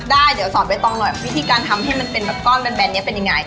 ได้เดี๋ยวสอนใบตองหน่อยวิธีการทำให้มันเป็นแบบก้อนแบนนี้เป็นยังไง